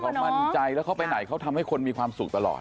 เขามั่นใจแล้วเขาไปไหนเขาทำให้คนมีความสุขตลอด